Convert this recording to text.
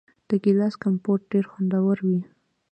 د ګیلاس کمپوټ ډیر خوندور وي.